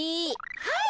はい。